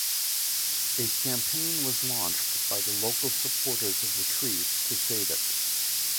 A campaign was launched by local supporters of the tree to save it.